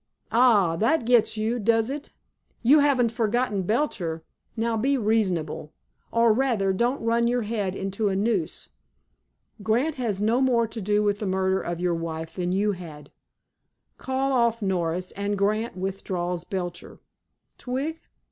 Ah! that gets you, does it? You haven't forgotten Belcher. Now, be reasonable! Or, rather, don't run your head into a noose. Grant had no more to do with the murder of your wife than you had. Call off Norris, and Grant withdraws Belcher. Twig?